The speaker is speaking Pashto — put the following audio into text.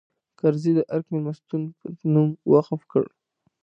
کرزي د ارګ مېلمستون په نوم وقف کړه.